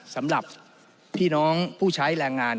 สำหรับพี่น้องผู้ใช้แรงงาน